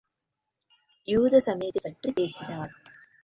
யூத சமயத்தைப் பற்றிப் பேசினார்.